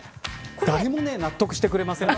誰も納得してくれませんよ。